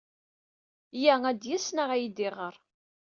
Ya ad d-yas, neɣ ad iyi-d-iɣer.